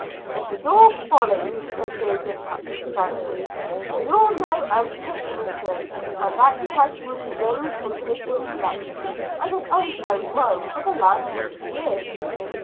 "This is all folly," said Joseph Putnam stoutly. "We all know Antipas Newton; and that he has been deranged in his intellects, and of unsound mind for the last twenty years.